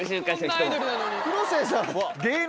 こんなアイドルなのに。